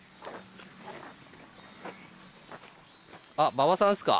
馬場さんですか？